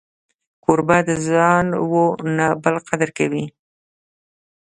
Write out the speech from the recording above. کوربه د ځان و نه بل قدر کوي.